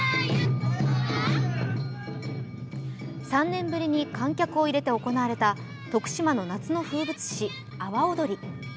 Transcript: ３年ぶりに観客を入れて行われた徳島の夏の風物詩、阿波おどり。